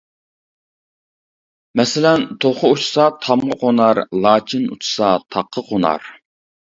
مەسىلەن: «توخۇ ئۇچسا تامغا قونار، لاچىن ئۇچسا تاغقا قونار» .